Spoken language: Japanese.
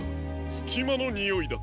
すきまのにおいだと？